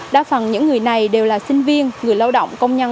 đa phần những người này đều là sinh viên người lao động công nhân